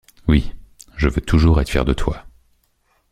Oui, je veux toujours être fière de toi.